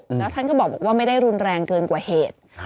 แล้วท่านก็บอกว่าไม่ได้รุนแรงเกินกว่าเหตุ